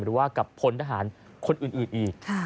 หรือว่ากับพลทหารคนอื่นอีก